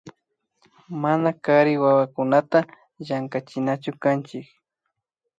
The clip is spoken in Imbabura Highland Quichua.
Mana kari wawakunata llankachinachukanchik